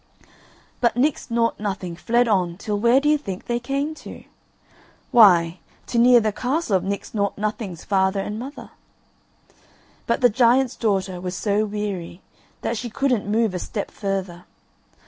But Nix Nought Nothing fled on till where do you think they came to? Why, to near the castle of Nix Nought Nothing's father and mother. But the giant's daughter was so weary that she couldn't move a step further.